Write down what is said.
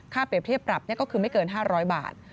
เปรียบเทียบปรับก็คือไม่เกิน๕๐๐บาท